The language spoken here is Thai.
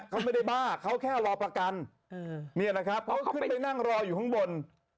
เขาไม่ได้บ้าเขาแค่รอประกันเนี่ยนะครับเขาขึ้นไปนั่งรออยู่ข้างบน